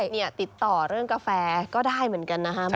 เนี่ยติดต่อเรื่องกาแฟก็ได้เหมือนกันนะครับ